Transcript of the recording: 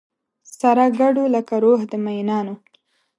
سره ګډو لکه روح د مینانو